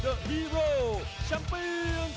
สวัสดีครับทุกคน